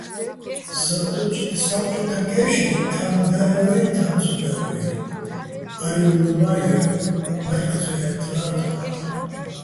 საბჭოთაკეჲვშრე თან დარ ვაჲ, თან ცო დაგერ ვაჲ, არი́ვლობა́ ჲარ, მაჲჴი̆ ცო ჲათთლა́რ თოყა́ლ.